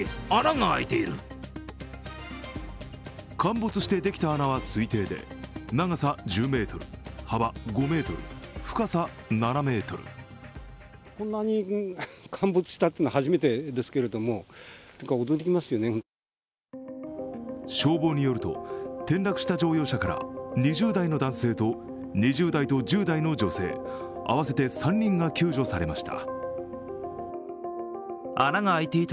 陥没してできた穴は、推定で長さ１０ｍ、幅５ｍ、深さ７ｍ消防によると、転落した乗用車から２０代の男性と１０代の女性、合わせて３人が救助されました。